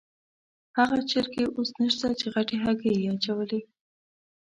هغه چرګې اوس نشته چې غټې هګۍ یې اچولې.